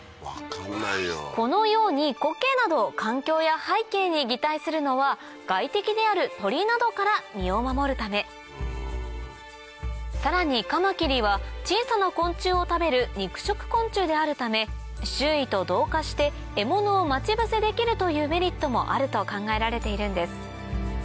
このようにコケなど環境や背景に擬態するのは外的である鳥などから身を守るためさらにカマキリは小さな昆虫を食べる肉食昆虫であるため周囲と同化して獲物を待ち伏せできるというメリットもあると考えられているんです